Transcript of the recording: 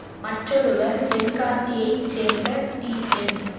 மற்றொருவர் தென்காசியைச் சேர்ந்த டி.என்.